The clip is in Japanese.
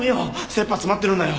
切羽詰まってるんだよ。